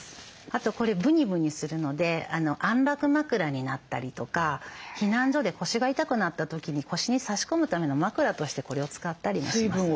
あとこれブニブニするので安楽枕になったりとか避難所で腰が痛くなった時に腰に差し込むための枕としてこれを使ったりもします。